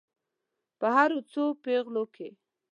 په هرو څو پیغلو کې.